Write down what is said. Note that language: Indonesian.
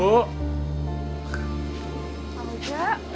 pak mu jo